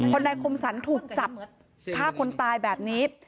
พอนายคมสรรถูกจับฆ่าคนตายแบบนี้